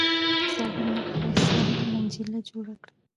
د څادر نه په سر منجيله جوړه کړه۔